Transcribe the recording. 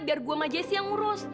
biar gue sama jessi yang ngurus